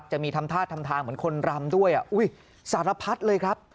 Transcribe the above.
จะมีทำทาสทำทางเหมือนคนรำด้วยสารพัดเลยครับ